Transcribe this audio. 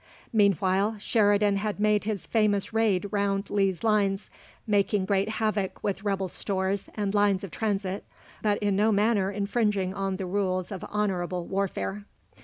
Meanwhile, Sheridan had made his famous raid round Lee's lines, making great havoc with rebel stores and lines of transit, but in no manner infringing on the rules of honourable warfare.